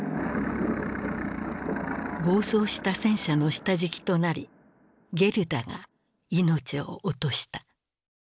暴走した戦車の下敷きとなりゲルダが命を落とした。